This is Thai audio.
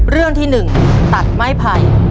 เรื่องที่๑ตัดไม้ไผ่